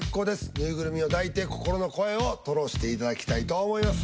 縫いぐるみを抱いて心の声を吐露していただきたいと思います。